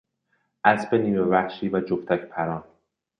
اسب نیمه وحشی و جفتک پران